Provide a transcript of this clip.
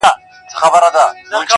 یوې جگي گڼي وني ته سو پورته!!